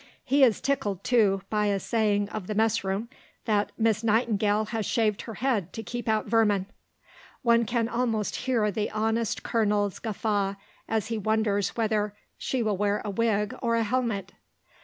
He is tickled, too, by a saying of the mess room, that "Miss Nightingale has shaved her head to keep out vermin." One can almost hear the honest Colonel's guffaw as he wonders whether "she will wear a wig or a helmet?"